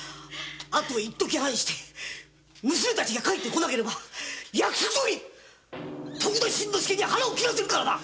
あと一時半して娘達が帰ってこなければ約束どおり徳田新之助に腹を切らせるからな。